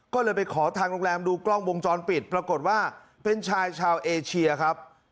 ก็เลยไปขอทางโรงแรมดูกล้องวงจรปิดปรากฏว่าเป็นชายชาวเอเชียครับ